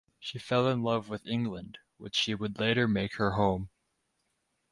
She fell in love with England, which she would later make her home.